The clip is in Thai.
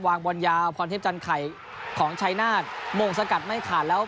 วางบอลยาวพรเทพจันไข่ของชัยนาฏมงสกัดไม่ขาดแล้ว